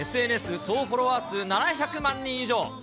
ＳＮＳ総フォロワー数７００万人以上。